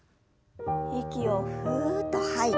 息をふっと吐いて。